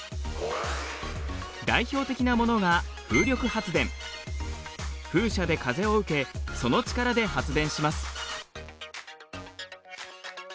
代表的なものが風車で風を受けその力で発電します。